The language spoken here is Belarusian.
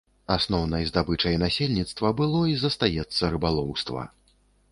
Асноўнай здабычай насельніцтва было і застаецца рыбалоўства.